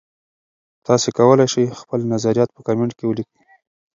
تاسي کولای شئ خپل نظریات په کمنټ کې ولیکئ.